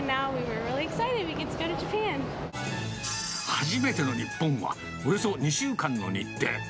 初めての日本は、およそ２週間の日程。